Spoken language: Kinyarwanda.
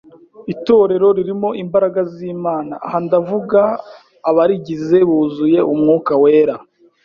Itorero ririmo imbaraga z’Imana, aha ndavuga abarigize buzuye Umwuka wera,